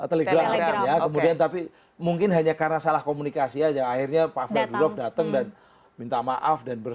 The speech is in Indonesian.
telegram ya kemudian tapi mungkin hanya karena salah komunikasi aja akhirnya pak febrov datang dan minta maaf dan ber